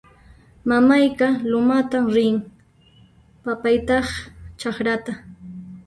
Mamayqa lumatan rin; papaytaq chakrata